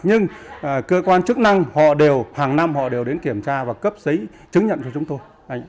nhưng cơ quan chức năng họ đều hàng năm họ đều đến kiểm tra và cấp giấy chứng nhận cho chúng tôi